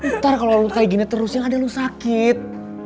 ntar kalau lo kaya gini terus yang ada lo sakit